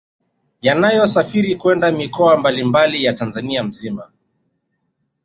Yanayosafiri kwenda mikoa mbali mbali ya Tanzania nzima